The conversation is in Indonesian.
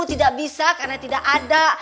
tidak bisa karena tidak ada